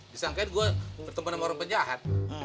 disangka gue bertemu sama orang penjahat